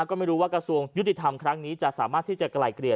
ก็ไม่รู้ว่ากระทรวงยุติธรรมครั้งนี้จะสามารถที่จะไกลเกลี่ย